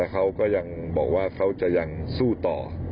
เขาก็ยังบอกว่าเขาจะยังสู้ต่อ